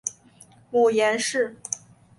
母阎氏。